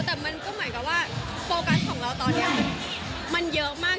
แต่มันก็เหมือนกับว่าโฟกัสของเราตอนนี้มันเยอะมาก